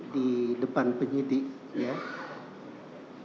di depan penyidik ya